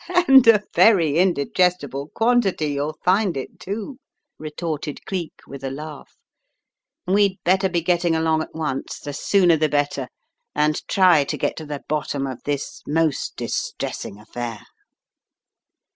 "And a very indigestible quantity you'll find it, too," retorted Cleek with a laugh. "We'd better be getting along at once, the sooner the better, and try to get to the bottom of this most distressing affair."